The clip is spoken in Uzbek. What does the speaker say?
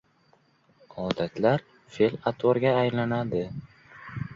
• Odatlar fe’l-atvorga aylanadi.